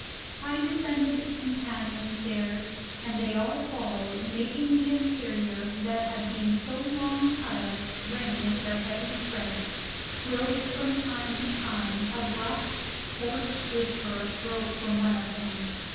I descended the companion stairs, and they all followed, making the interior that had been so long silent ring with their heavy tread, whilst from time to time a gruff, hoarse whisper broke from one of them.